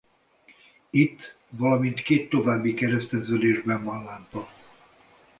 Itt valamint két további kereszteződésben van lámpa.